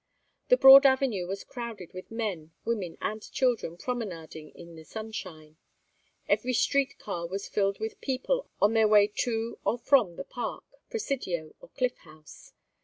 The broad avenue was crowded with men, women, and children, promenading in the sunshine. Every street car was filled with people on their way to or from the Park, Presidio, or Cliff House.